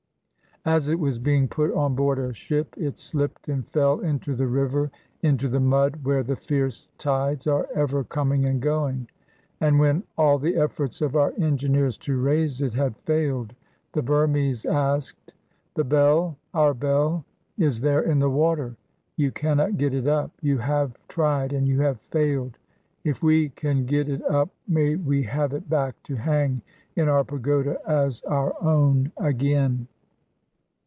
As it was being put on board a ship, it slipped and fell into the river into the mud, where the fierce tides are ever coming and going. And when all the efforts of our engineers to raise it had failed, the Burmese asked: 'The bell, our bell, is there in the water. You cannot get it up. You have tried and you have failed. If we can get it up, may we have it back to hang in our pagoda as our own again?'